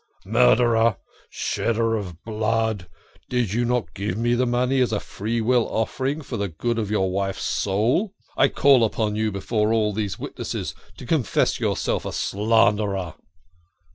" Murderer ! Shedder of blood ! Did you not give me the money as a free will offering, for the good of your wife's "' YOU ROGUE ! HOW DARE YOU BUY SALMON !'" soul? I call on you before all these witnesses to confess yourself a slanderer